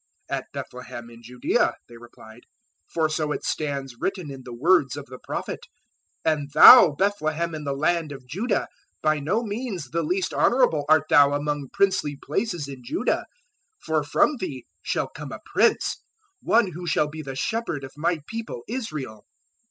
002:005 "At Bethlehem in Judaea," they replied; "for so it stands written in the words of the Prophet, 002:006 "`And thou, Bethlehem in the land of Judah, by no means the least honorable art thou among princely places in Judah! For from thee shall come a prince one who shall be the Shepherd of My People Israel.'"